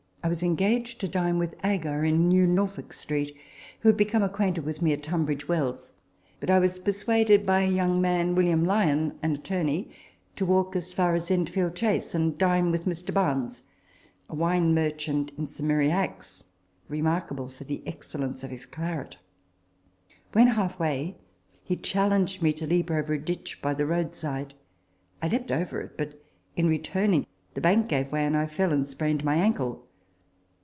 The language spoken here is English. I was engaged to dine with Agar in New Norfolk Street, who had become acquainted with me at Tunbridge Wells ; but I was persuaded by a young man, William Lyon, an attorney, to walk as far as Enfield Chase and dine with Mr. Barnes, a wine merchant in St. Mary Axe, remarkable for the excellence of his claret. When half way, he challenged me to leap over a ditch by the roadside. I leaped over it ; but, in returning, the bank gave way, and I fell and sprained my ankle.